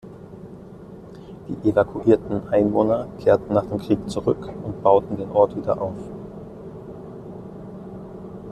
Die evakuierten Einwohner kehrten nach dem Krieg zurück und bauten den Ort wieder auf.